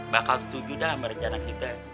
bakal setuju dalam rencana kita